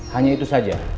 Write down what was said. hanya itu saja